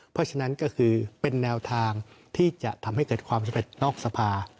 เพราะฉะนั้นก็คือเป็นแนวทางที่จะทำให้เกิดความสำเร็จนอกสภา